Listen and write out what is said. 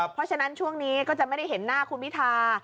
เพราะฉะนั้นช่วงนี้ก็จะไม่ได้เห็นหน้าคุณพิธา